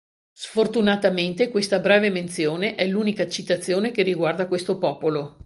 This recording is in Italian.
Sfortunatamente questa breve menzione è l'unica citazione che riguarda questo popolo.